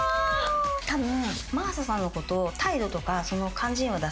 たぶん。